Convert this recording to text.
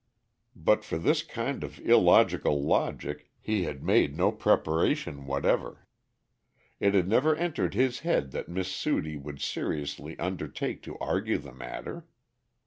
But for this kind of illogical logic he had made no preparation whatever. It had never entered his head that Miss Sudie would seriously undertake to argue the matter.